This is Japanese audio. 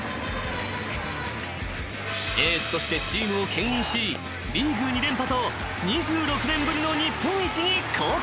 ［エースとしてチームをけん引しリーグ２連覇と２６年ぶりの日本一に貢献した］